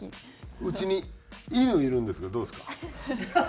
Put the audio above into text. うちにいぬいるんですけどどうですか？